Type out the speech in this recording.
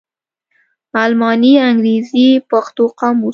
الماني _انګرېزي_ پښتو قاموس